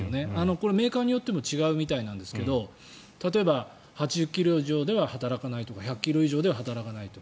これメーカーによっても違うみたいですが例えば８０ｋｍ以上では働かないとか１００ｋｍ以上では働かないと。